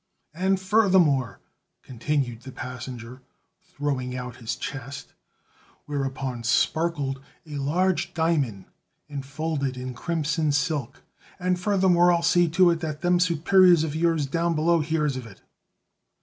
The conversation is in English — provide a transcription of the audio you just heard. "And furthermore," continued the passenger, throwing out his chest, whereon sparkled a large diamond enfolded in crimson silk "and furthermore, I'll see to it that them superiors of yours down below hears of it."